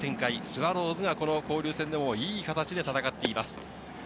スワローズが交流戦でもいい形で戦っています。